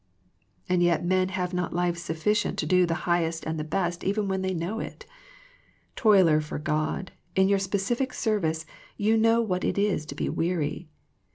And yet men have not life sufficient to do the highest and the best even when they know it. Toiler for God, in your specific service you know what it is to be weary.